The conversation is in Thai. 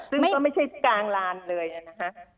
ซึ่งก็ไม่ใช่กลางลานเลยนะคะ